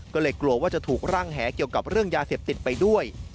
ก็เลยกลัวว่าจะถูกร่างแหเกี่ยวกับเรื่องยาเสพติดไปด้วย